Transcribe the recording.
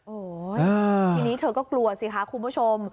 โอ้โหทีนี้เธอก็กลัวสิคะคุณผู้ชม